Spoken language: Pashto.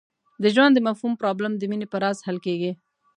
د ژوند د مفهوم پرابلم د مینې په راز حل کېږي.